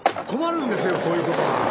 困るんですよこういう事は。